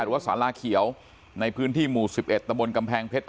หรือว่าสาราเขียวในพื้นที่หมู่๑๑ตะบนกำแพงเพชร